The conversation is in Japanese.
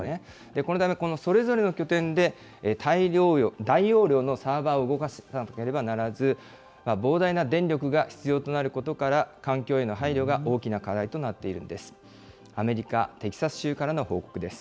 このため、それぞれの拠点で、大容量のサーバーを動かさなければならず、膨大な電力が必要となることから、環境への配慮が大きな課題となっているんです。